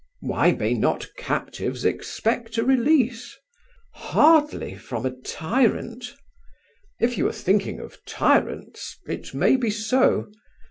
"Why may not captives expect a release?" "Hardly from a tyrant." "If you are thinking of tyrants, it may be so.